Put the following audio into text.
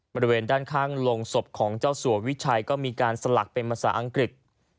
บริเวณด้านข้างโรงศพของเจ้าสัววิชัยก็มีการสลักเป็นภาษาอังกฤษ